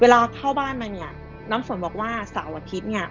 เข้าบ้านมาเนี่ยน้ำฝนบอกว่าเสาร์อาทิตย์เนี่ย